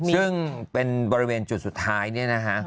ซึ่งเป็นบริเวณจุดสุดท้ายเนี่ยนะคะ